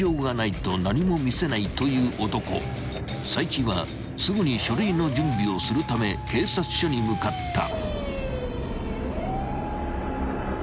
［齋木はすぐに書類の準備をするため警察署に向かった］